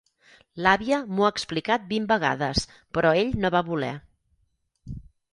L'àvia m'ho ha explicat vint vegades, però ell no va voler.